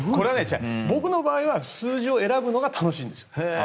僕の場合は数字を選ぶのが楽しいんです。